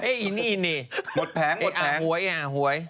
เอ๊ะอินนี่หมดแผงหมดแผงหมดแผงหมดแผงหมดแผง